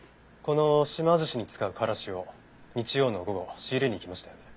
この島ずしに使うカラシを日曜の午後仕入れに行きましたよね？